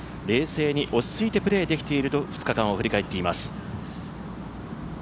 冷静に落ち着いてプレーできていると２日間を振り返っています。